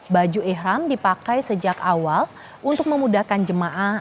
baju ikhram dipakai sejak awal untuk memudahkan jemaah